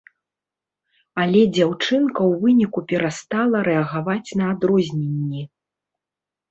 Але дзяўчынка ў выніку перастала рэагаваць на адрозненні.